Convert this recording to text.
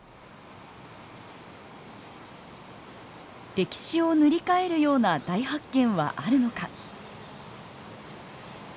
歴史を塗り替えるような大発見はあるのか。